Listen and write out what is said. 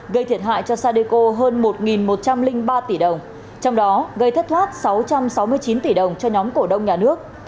gây thiệt hại cho sadeco hơn một một trăm linh ba tỷ đồng trong đó gây thất thoát sáu trăm sáu mươi chín tỷ đồng cho nhóm cổ đông nhà nước